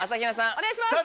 お願いします。